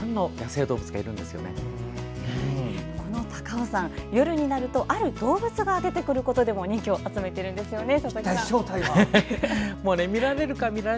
そんな高尾山、夜になるとある動物が出てくることでも人気を集めているんですよね。